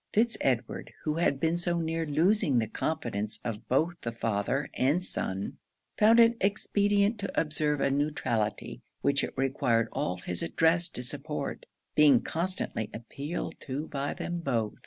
Fitz Edward, who had been so near losing the confidence of both the father and son, found it expedient to observe a neutrality, which it required all his address to support; being constantly appealed to by them both.